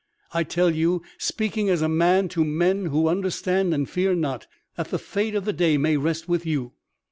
I tell you, speaking as a man to men who understand and fear not, that the fate of the day may rest with you.